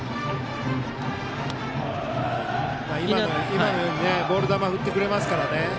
今のようにボール球を振ってくれますからね。